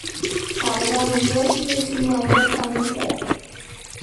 طالبانو د یو شمیر سیمو امنیت تامین کړی.